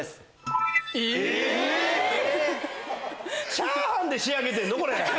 ⁉チャーハンで仕上げてるの？